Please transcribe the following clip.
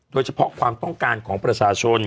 โดยเฉพาะความต้องการของประชาชน